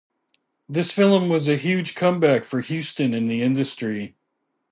This film was a huge comeback for Houston in the industry.